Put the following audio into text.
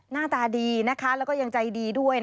หน้าตาดีและยังใจดีด้วย